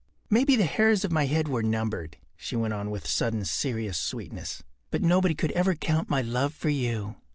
Maybe the hairs of my head were numbered,” she went on with sudden serious sweetness, “but nobody could ever count my love for you.